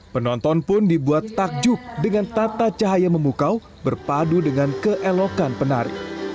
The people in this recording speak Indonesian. penonton pun dibuat takjub dengan tata cahaya memukau berpadu dengan keelokan penari